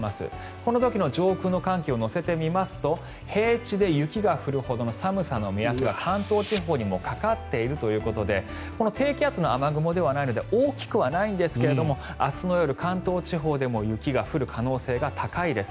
この時の上空の寒気を乗せてみますと平地で雪が降るほどの寒さの目安が関東地方にもかかっているということで低気圧の雨雲ではないので大きくはないんですが明日の夜、関東地方でも雪が降る可能性が高いです。